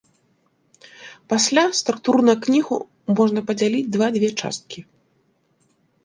Пасля структурна кнігу можна падзяліць два дзве часткі.